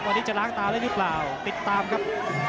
วันนี้จะล้างตาได้หรือเปล่าติดตามครับ